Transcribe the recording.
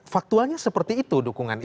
faktualnya seperti itu dukungan